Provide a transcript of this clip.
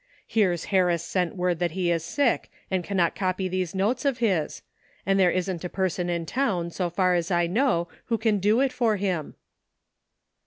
''Here's Harris sent word that he is sick, and cannot copy these notes of his ; and there isn't a person in town, so far as I know, who can do it for him."